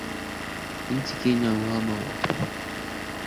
Nchini Kenya uhaba wa mafuta unalaumiwa kwa serikali kushindwa